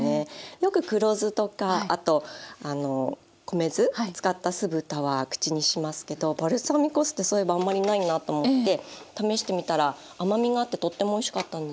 よく黒酢とかあと米酢使った酢豚は口にしますけどバルサミコ酢ってそういえばあんまりないなと思って試してみたら甘みがあってとってもおいしかったんですよね。